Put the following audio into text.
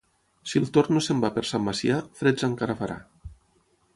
Si el tord no se'n va per Sant Macià, freds encara farà.